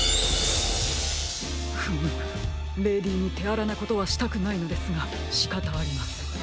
フムムレディーにてあらなことはしたくないのですがしかたありません。